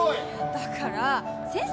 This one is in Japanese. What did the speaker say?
だから先生